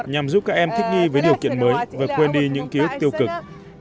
nhằm giúp các em thích đi với điều kiện mới và quên đi những ký ức tiêu cực